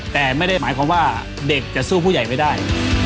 แต่ไม่ได้หมายความว่าเด็กจะสู้ผู้ใหญ่ไม่ได้